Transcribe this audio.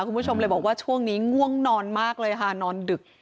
คุณผู้ชมเลยบอกว่าช่วงนี้ง่วงนอนมากเลยค่ะนอนดึก